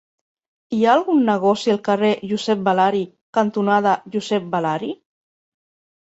Hi ha algun negoci al carrer Josep Balari cantonada Josep Balari?